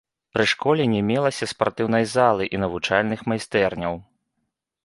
Пры школе не мелася спартыўнай залы і навучальных майстэрняў.